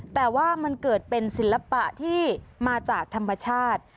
แต่ว่ามันเกิดเป็นศิลปะที่มาจากธรรมชาติ